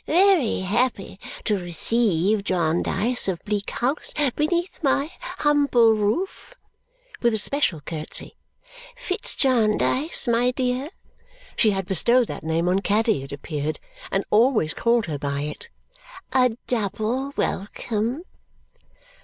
Ve ry happy to receive Jarndyce of Bleak House beneath my humble roof!" with a special curtsy. "Fitz Jarndyce, my dear" she had bestowed that name on Caddy, it appeared, and always called her by it "a double welcome!"